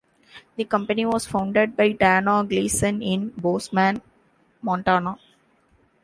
The company was founded by Dana Gleason in Bozeman, Montana.